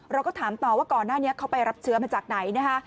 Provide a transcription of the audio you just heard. เราก็ถามต่อว่าก่อนหน้านี้เขาไปรับเชื้อมาจากไหนนะคะ